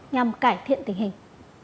nhằm cải thiện tình hình